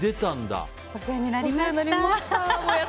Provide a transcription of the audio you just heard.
お世話になりました。